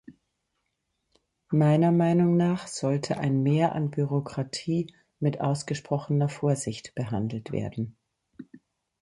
Meiner Meinung nach sollte ein Mehr an Bürokratie mit ausgesprochener Vorsicht behandelt werden.